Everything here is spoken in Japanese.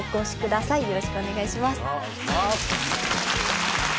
よろしくお願いします。